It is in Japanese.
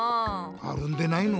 あるんでないの？